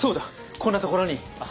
こんなところに。